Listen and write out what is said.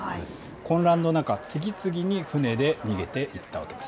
混乱の中、次々に船で逃げていったわけです。